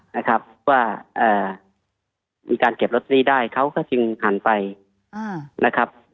นะครับว่ามีการเก็บลอตเตอรี่ได้เขาก็จึงหันไปอ่านะครับ